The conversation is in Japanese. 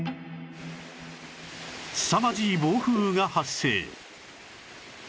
すさまじい暴風雨が発生